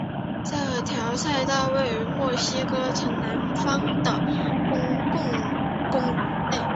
这条赛道位于墨西哥城南方的的公共公园内。